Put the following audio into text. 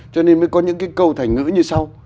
cho nên mới có những cái câu thành ngữ như sau